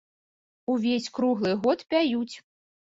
Увесь круглы год пяюць.